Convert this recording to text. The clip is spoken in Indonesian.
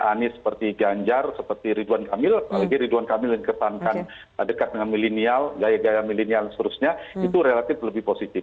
anies seperti ganjar seperti ridwan kamil apalagi ridwan kamil yang dikesankan dekat dengan milenial gaya gaya milenial seterusnya itu relatif lebih positif